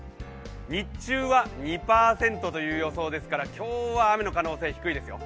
日中は２％という予想ですから今日は雨の可能性低いですよ。